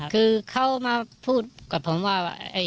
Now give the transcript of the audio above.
คือเขามาพูดกับผมว่า